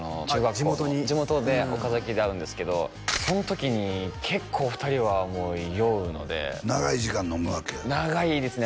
地元に地元で岡崎で会うんですけどその時に結構２人は酔うので長い時間飲むわけや長いですね